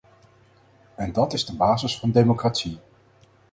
En dat is de basis van democratie.